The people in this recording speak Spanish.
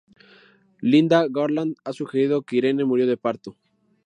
Lynda Garland ha sugerido que Irene murió de parto.